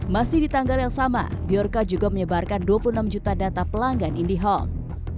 masih di tanggal yang sama bjorka juga menyebarkan dua puluh enam juta data pelanggan indihold